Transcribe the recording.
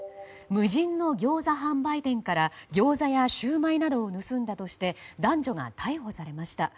無人のギョーザ販売店からギョーザやシューマイなどを盗んだとして男女が逮捕されました。